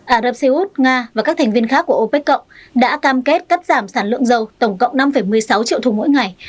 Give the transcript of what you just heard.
ả rập xê út nga và các thành viên khác của opec cộng đã cam kết cắt giảm sản lượng dầu tổng cộng năm một mươi sáu triệu thùng mỗi ngày